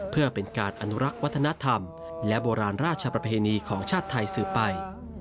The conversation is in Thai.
เพื่อเป็นการอนุรักษ์วัฒนธรรมและโบราณราชประเพณีของชาติไทยสืบไป